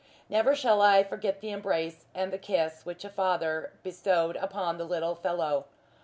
Never shall I forget the embrace and the kiss which the father bestowed upon the little fellow.